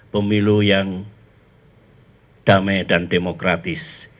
pemilu yang damai dan demokratis